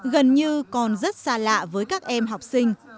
gần như còn rất xa lạ với các em học sinh